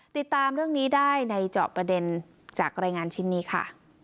ติดตามเรื่องนี้ได้ในเจาะประเด็นจากรายงานชิ้นนี้ค่ะ